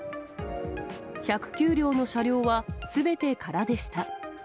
１０９両の車両はすべて空でした。